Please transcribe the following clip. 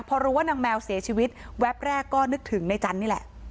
พอรู้ว่านางแมวเสียชีวิตแวบแรกก็นึกถึงในจันทร์นี่แหละ